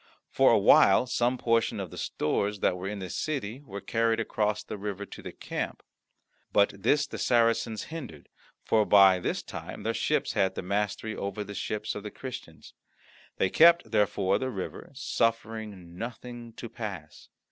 For a while some portion of the stores that were in the city were carried across the river to the camp. But this the Saracens hindered, for by this time their ships had the mastery over the ships of the Christians. They kept, therefore, the river, suffering nothing to pass.